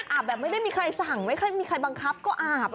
แบบไม่ได้มีใครสั่งไม่ค่อยมีใครบังคับก็อาบ